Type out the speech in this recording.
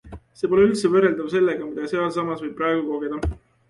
See pole üldse võrraldav sellega, mida sealsamas võib praegu kogeda.